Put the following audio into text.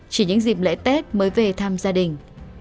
chỉ những dịp lễ tết mới về thăm gia đình